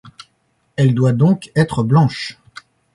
Elle doit donc être blanche.